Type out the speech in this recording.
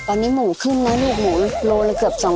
ตอนนี้หมูขึ้นนะลูกหมูโลละเกือบ๒๐๐